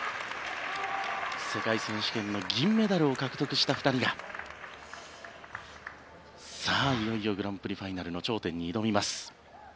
世界選手権の銀メダルを獲得した２人がさあ、いよいよグランプリファイナルの頂点に挑みます。